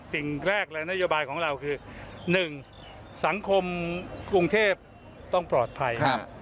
สิ่งแรกเลยนโยบายของเราคือ๑สังคมกรุงเทพต้องปลอดภัย